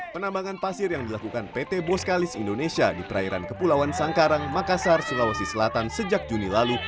penambangan pasir yang dilakukan pt boskalis indonesia di perairan kepulauan sangkarang makassar sulawesi selatan sejak juni lalu